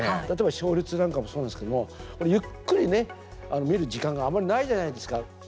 例えば、勝率なんかもそうなんですけどもゆっくりね、見る時間があまりないじゃないですか。